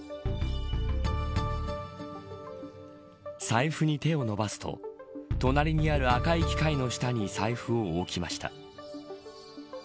財布に手を伸ばすと隣にある赤い機械の下に財布を置きました。